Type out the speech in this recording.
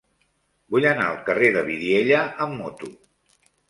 Vull anar al carrer de Vidiella amb moto.